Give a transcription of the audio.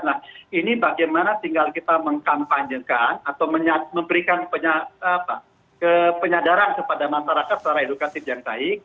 nah ini bagaimana tinggal kita mengkampanyekan atau memberikan penyadaran kepada masyarakat secara edukatif yang baik